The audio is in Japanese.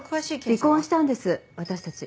離婚したんです私たち。